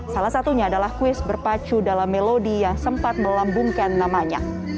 salah satunya adalah kuis berpacu dalam melodi yang sempat melambungkan namanya